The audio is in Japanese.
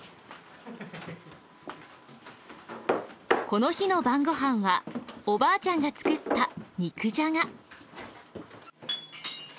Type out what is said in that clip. この日の晩ご飯はおばあちゃんが作った肉じゃが。